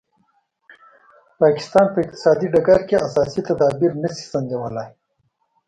پاکستان په اقتصادي ډګر کې اساسي تدابیر نه شي سنجولای.